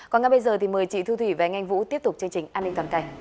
còn ngay bây giờ thì mời chị thu thủy và anh vũ tiếp tục chương trình an ninh toàn cảnh